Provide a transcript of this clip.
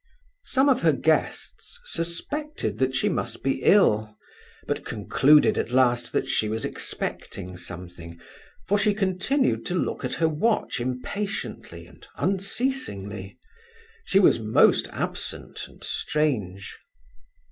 Some of her guests suspected that she must be ill; but concluded at last that she was expecting something, for she continued to look at her watch impatiently and unceasingly; she was most absent and strange.